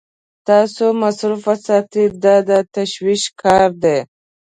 تاسو مصروف ساتي دا د تشویش کار دی.